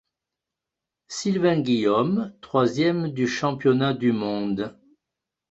Sylvain Guillaume, troisième du Championnat du monde.